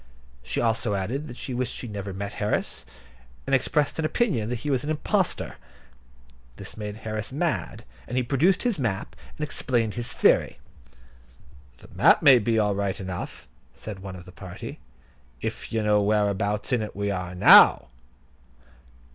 She also added that she wished she never had met Harris, and expressed an opinion that he was an impostor. That made Harris mad, and he produced his map, and explained his theory. "The map may be all right enough," said one of the party, "if you know whereabouts in it we are now."